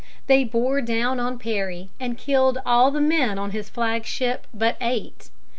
They bore down on Perry and killed all the men on his flag ship but eight.